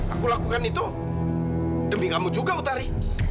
aku lakukan itu demi kamu juga utari